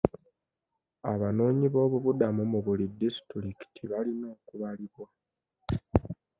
Abanoonyi b'obubuddamu mu buli disitulikiti balina okubalibwa.